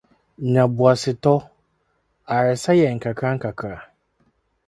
Nya Boasetɔ — Ayaresa Yɛ Nkakrankakra